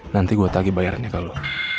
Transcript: nanti gue tagih bayarnya ke lo